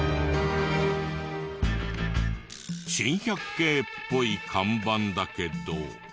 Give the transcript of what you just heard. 珍百景っぽい看板だけど。